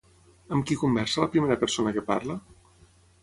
Amb qui conversa la primera persona que parla?